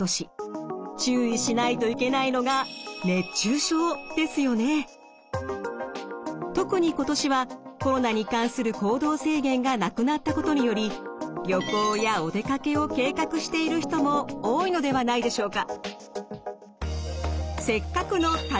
注意しないといけないのが特に今年はコロナに関する行動制限がなくなったことにより旅行やお出かけを計画している人も多いのではないでしょうか。